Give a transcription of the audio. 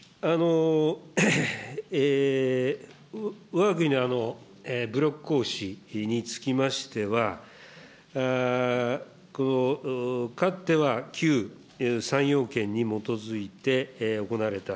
わが国の武力行使につきましては、かつては旧３要件に基づいて行われた。